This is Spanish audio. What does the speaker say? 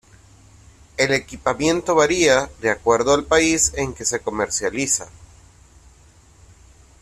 El equipamiento varía de acuerdo al país en que se comercializa.